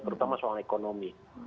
terutama soal ekonomi